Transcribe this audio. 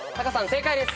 正解です。